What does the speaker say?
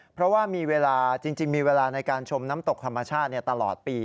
เพราะว่ามีเวลาจริงมีเวลาในการชมน้ำตกธรรมชาติตลอดปี